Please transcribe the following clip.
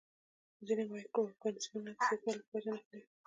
ځینې مایکرو ارګانیزمونه د زیاتوالي په وجه نښلي.